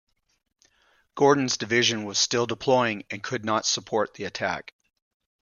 Gordon's division was still deploying and could not support the attack.